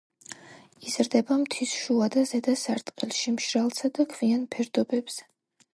იზრდება მთის შუა და ზედა სარტყელში მშრალსა და ქვიან ფერდობებზე.